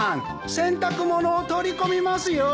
洗濯物を取り込みますよ。